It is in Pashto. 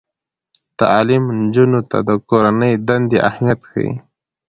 تعلیم نجونو ته د کورنۍ دندې اهمیت ښيي.